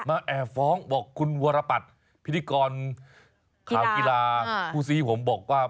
แอบฟ้องบอกคุณวรปัตรพิธีกรข่าวกีฬาคู่ซีผมบอกว่า